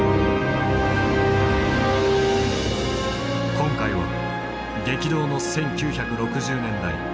今回は激動の１９６０年代。